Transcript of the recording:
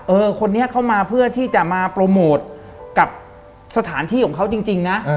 คนนี้เข้ามาเพื่อที่จะมาโปรโมทกับสถานที่ของเขาจริงนะ